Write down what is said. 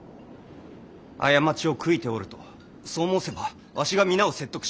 過ちを悔いておるとそう申せばわしが皆を説得し。